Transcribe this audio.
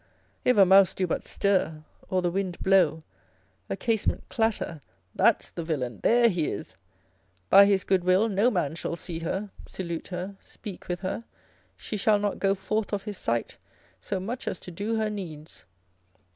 If a mouse do but stir, or the wind blow, a casement clatter, that's the villain, there he is: by his goodwill no man shall see her, salute her, speak with her, she shall not go forth of his sight, so much as to do her needs.